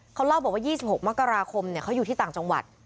เขาเล่าบอกว่า๒๖มกราคมเขาอยู่ที่ต่างจังหวัด